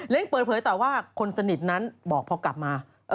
เปิดเผยต่อว่าคนสนิทนั้นบอกพอกลับมา